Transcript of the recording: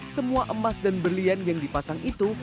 semua emas dan berlian yang dipasang itu